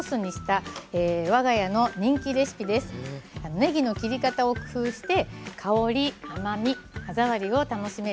ねぎの切り方を工夫して香り甘み歯触りを楽しめる